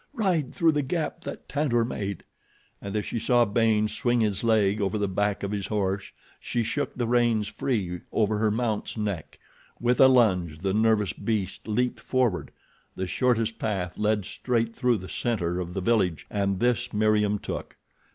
Ride through the gap that Tantor made," and as she saw Baynes swing his leg over the back of his horse, she shook the reins free over her mount's neck. With a lunge, the nervous beast leaped forward. The shortest path led straight through the center of the village, and this Meriem took.